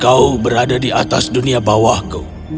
kau berada di atas dunia bawahku